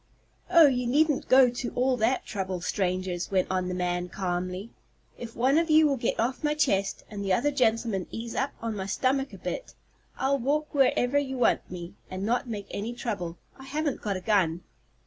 "Oh, you needn't go to all that trouble, strangers," went on the man, calmly. "If one of you will get off my chest, and the other gentleman ease up on my stomach a bit, I'll walk wherever you want me, and not make any trouble. I haven't got a gun."